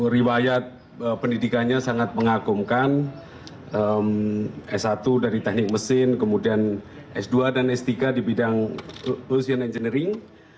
riwayat pendidikannya sangat mengagumkan s satu dari teknik mesin kemudian s dua dan s tiga di bidang ocean engineering